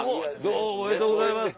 どうもおめでとうございます。